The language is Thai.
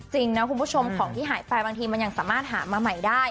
จริงนะคุณผู้ชมของที่หายไปบางทีมันยังสามารถหามาใหม่ได้